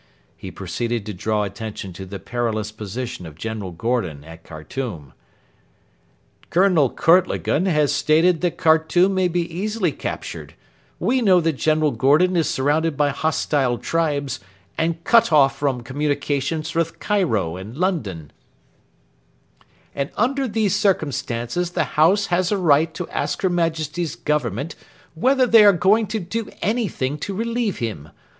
He proceeded to draw attention to the perilous position of General Gordon at Khartoum. 'Colonel Coetlogon has stated that Khartoum may be easily captured; we know that General Gordon is surrounded by hostile tribes and cut off from communications with Cairo and London; and under these circumstances the House has a right to ask her Majesty's Government whether they are going to do anything to relieve him.